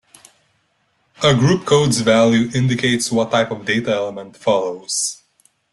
A group code's value indicates what type of data element follows.